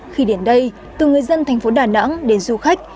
khi đến đây từ người dân thành phố đà nẵng đến du khách